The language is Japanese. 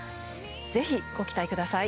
ぜひ、ご期待ください。